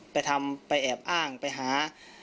ไปทำไปแอบอ้างไปหา